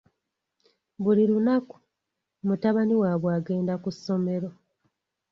Buli lunaku, mutabani waabwe agenda ku ssomero.